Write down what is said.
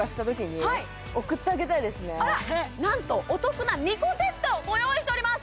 あら何とお得な２個セットご用意しております